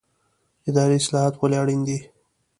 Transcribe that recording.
اداري اصلاحات ولې اړین دي؟